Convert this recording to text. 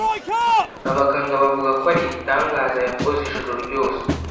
Abaganga bavuga ko ari igitangaza yakoze ijoro ryose.